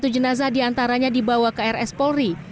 empat puluh satu jenazah diantaranya dibawa ke rs polri